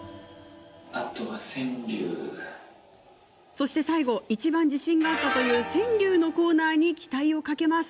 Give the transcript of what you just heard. そして最後いちばん自信があったという川柳のコーナーに期待を懸けます。